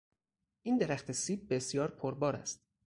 این درخت سیب بسیار پر بار است.